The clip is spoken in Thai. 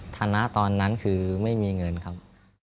ฐานะตอนนั้นคือไม่มีเงินครับ